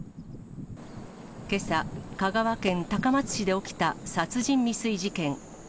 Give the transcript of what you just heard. けさ、香川県高松市で起きた殺人未遂事件。